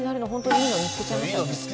いいの見つけちゃいましたね。